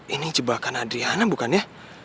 ini jebakan adriana bukannya